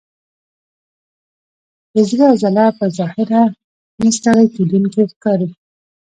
د زړه عضله په ظاهره نه ستړی کېدونکې ښکاري.